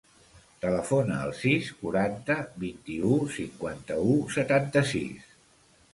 Telefona al sis, quaranta, vint-i-u, cinquanta-u, setanta-sis.